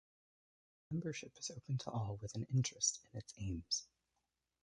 Membership is open to all with an interest in its aims.